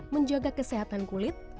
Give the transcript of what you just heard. menjaga kesehatan kulit